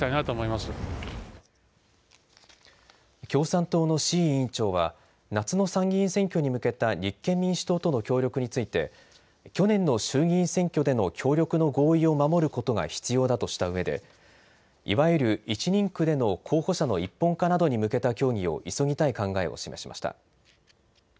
共産党の志位委員長は夏の参議院選挙に向けた立憲民主党との協力について去年の衆議院選挙での協力の合意を守ることが必要だとした上でいわゆる１人区での候補者の一本化などに向けた協議を急ぎたい考えを示しました。